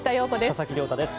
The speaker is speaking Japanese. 佐々木亮太です。